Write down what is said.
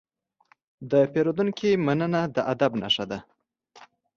د پیرودونکي مننه د ادب نښه ده.